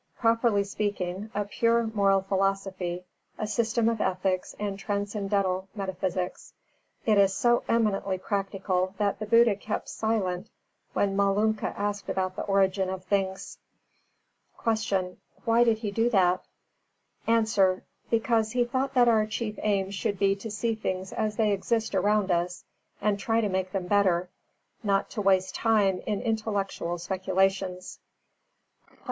Properly speaking, a pure moral philosophy, a system of ethics and transcendental metaphysics. It is so eminently practical that the Buddha kept silent when Malunka asked about the origin of things. 332. Q. Why did he do that? A. Because he thought that our chief aim should be to see things as they exist around us and try to make them better, not to waste time in intellectual speculations. 333. Q.